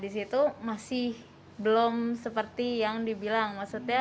di situ masih belum seperti yang dibilang maksudnya